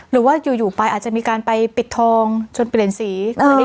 หรือว่าอยู่ไปอาจจะมีการไปปิดทองจนเปลี่ยนสี